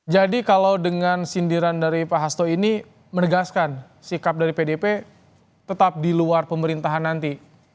jadi kalau dengan sindiran dari pak hasto ini menegaskan sikap dari pdp tetap di luar pemerintahan nanti